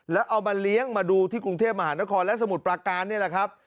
แล้วเอามาเลี้ยงมาดูที่กรุงเทพมหานครและสมุทรปราการนี่แหละครับ